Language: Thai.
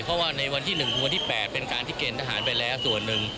เพราะว่าในวันที่๑ถึงวันที่๘เป็นการที่เกณฑหารไปแล้วส่วนหนึ่ง